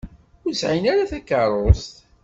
Ur sɛin ara takeṛṛust.